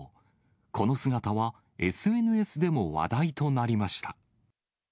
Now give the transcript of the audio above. この姿はＳＮＳでも話題となりました。